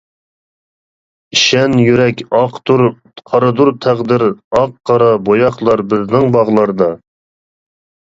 ئىشەن يۈرەك ئاقتۇر، قارىدۇر تەقدىر، ئاق-قارا بوياقلار بىزنىڭ باغلاردا.